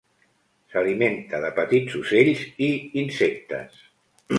S'alimenta de petits ocells i insectes.